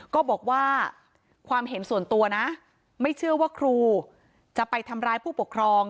ก็บอกว่าความเห็นส่วนตัวนะไม่เชื่อว่าครูจะไปทำร้ายผู้ปกครอง